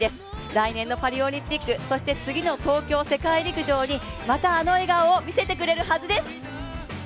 来年のパリオリンピック、そして次の東京世界陸上にまたあの笑顔を見せてくれるはずです！